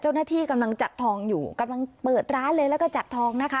เจ้าหน้าที่กำลังจัดทองอยู่กำลังเปิดร้านเลยแล้วก็จัดทองนะคะ